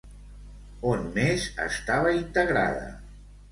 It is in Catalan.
On més estava integrada?